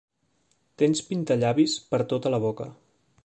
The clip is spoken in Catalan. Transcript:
Tens pintallavis per tota la boca.